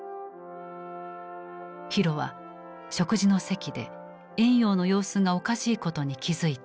浩は食事の席で婉容の様子がおかしいことに気付いた。